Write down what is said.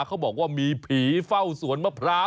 เขาบอกว่ามีผีเฝ้าสวนมะพร้าว